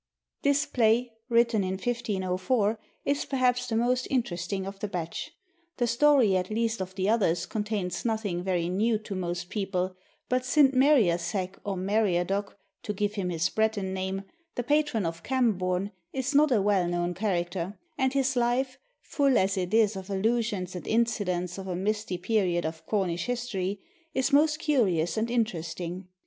_ This play, written in 1504, is perhaps the most interesting of the batch. The story at least of the others contains nothing very new to most people, but St. Meriasek or Meriadoc (to give him his Breton name), the patron of Camborne, is not a well known character, and his life, full as it is of allusions and incidents of a misty period of Cornish history, is most curious and interesting.